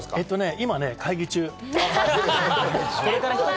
今、会議中。